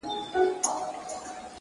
زما د فكر مېموري ستا په يادو ډكه سوه.!